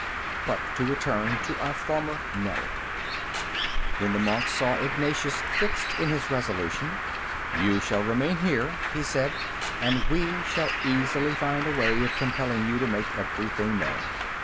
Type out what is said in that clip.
But to return to our former narrative. When the monk saw Ignatius fixed in his resolution, "You shall remain here," he said, "and we shall easily find a way of compelling you to make everything known."